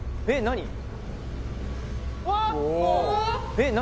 えっ何？